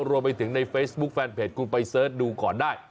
รวมไปถึงในเฟซบุ๊คแฟนเพจคุณไปเสิร์ชดูก่อนได้